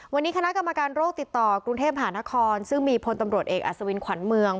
วันนี้คณะกรรมการโรคติดต่อกรุงเทพหานครซึ่งมีพลตำรวจเอกอัศวินขวัญเมือง